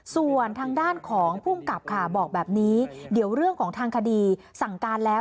ส่วนทางด้านของภูมิกับค่ะบอกแบบนี้เดี๋ยวเรื่องของทางคดีสั่งการแล้ว